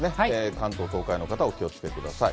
関東、東海の方はお気をつけください。